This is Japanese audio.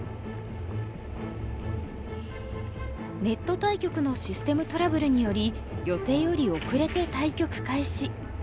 ネット対局のシステムトラブルにより予定より遅れて対局開始。